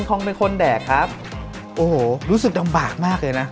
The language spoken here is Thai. โอ้โฮรู้สึกต่ำบากมากเลยนะ